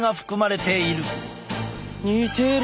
似てる。